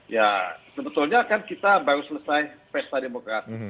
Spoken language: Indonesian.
ya sebetulnya kan kita baru selesai pesta demokrasi